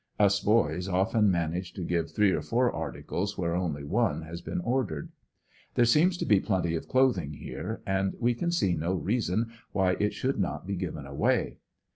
Us boys often man age to give three or four articles where only one has been ordered. There seems to be plenty of clothing here, and we can see no rea son why it should not be given away.